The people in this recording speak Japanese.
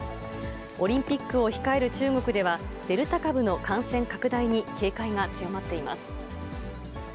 オリンピックを控える中国では、デルタ株の感染拡大に警戒が強まっています。